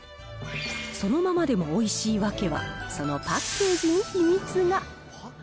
そのままでもおいしい訳は、そのパッケージに秘密が。